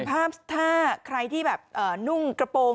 นึกถึงภาพถ้าใครที่หนุ่งกระโปรง